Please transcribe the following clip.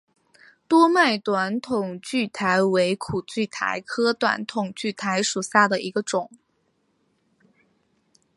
多脉短筒苣苔为苦苣苔科短筒苣苔属下的一个种。